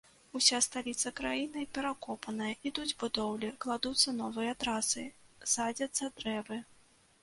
Уся сталіца краіны перакопаная, ідуць будоўлі, кладуцца новыя трасы, садзяцца дрэвы.